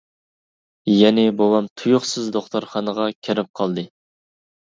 يەنى بوۋام تۇيۇقسىز دوختۇرخانىغا كىرىپ قالدى.